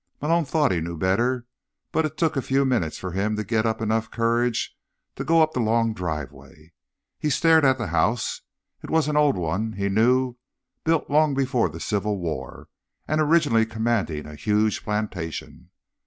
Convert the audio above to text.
Malone thought he knew better, but it took a few minutes for him to get up enough courage to go up the long driveway. He stared at the house. It was an old one, he knew, built long before the Civil War and originally commanding a huge plantation.